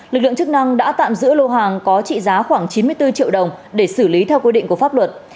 lực lượng chức năng đã tạm giữ lô hàng có trị giá khoảng chín mươi bốn triệu đồng để xử lý theo quy định của pháp luật